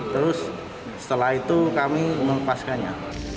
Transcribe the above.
terus setelah itu kami melepaskannya